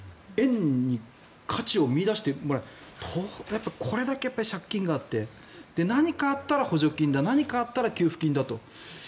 円に価値を見いだしてこれだけ借金があってで、何かあったら補助金だ何かあったら給付金だと。